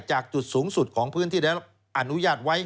จากจุดสูงสุดของพื้นที่ได้รับอนุญาตไว้